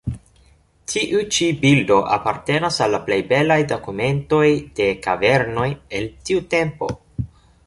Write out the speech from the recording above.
Tiu ĉi bildo apartenas al la plej belaj dokumentoj de kavernoj el tiu tempo.